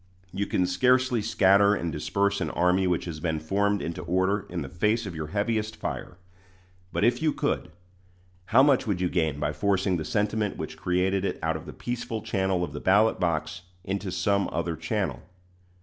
You can scarcely scatter and disperse an army which has been formed into order in the face of your heaviest fire; but if you could, how much would you gain by forcing the sentiment which created it out of the peaceful channel of the ballot box into some other channel?